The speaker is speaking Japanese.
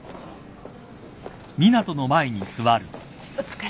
お疲れ。